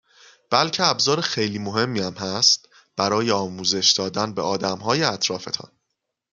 بلکه ابزار خیلی مهمی هم است برای آموزش دادن به آدمهای اطرافتان